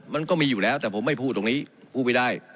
มันก็มีอยู่แล้วแต่ผมไม่พูดตรงนี้พูดไม่ได้